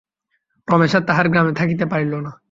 রমেশ আর তাহার গ্রামে থাকিতে পারিল না।